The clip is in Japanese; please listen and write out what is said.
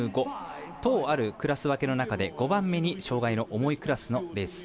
１０あるクラス分けの中で５番目に障がいの重いクラスのレース。